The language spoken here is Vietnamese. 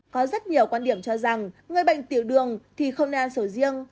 có rất nhiều quan điểm cho rằng người bệnh tiểu đường thì không nên ăn sổ riêng